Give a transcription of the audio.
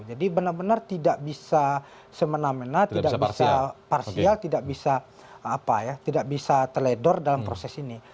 jadi benar benar tidak bisa semena mena tidak bisa parsial tidak bisa teledor dalam proses ini